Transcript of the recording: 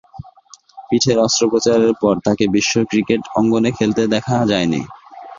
পিঠের অস্ত্রোপচারের পর তাকে বিশ্ব ক্রিকেট অঙ্গনে খেলতে দেখা যায়নি।